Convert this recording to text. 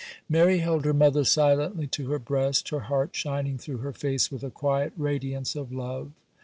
Mary held her mother silently to her breast, her heart shining through her face with a quiet radiance of love.